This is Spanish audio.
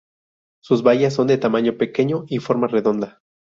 Sus bayas son de tamaño pequeño y forma redonda.